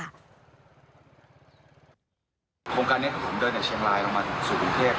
โครงการนี้ผมเดินจากเชียงรายลงมาถึงสู่กรุงเทพ